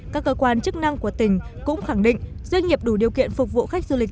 các cơ quan chức năng của tỉnh cũng khẳng định doanh nghiệp đủ điều kiện phục vụ khách du lịch